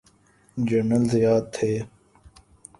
General Zia تھے۔